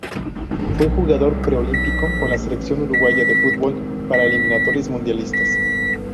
Fue jugador preolímpico con la Selección Uruguaya de Fútbol para las eliminatorias mundialistas.